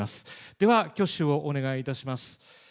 では、挙手をお願いいたします。